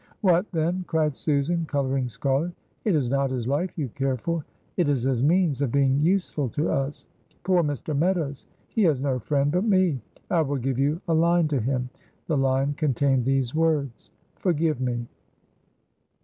"What, then?" cried Susan, coloring scarlet, "it is not his life you care for, it is his means of being useful to us! Poor Mr. Meadows! He has no friend but me. I will give you a line to him." The line contained these words: "Forgive me."